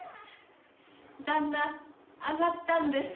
「旦那あがったんですか？」。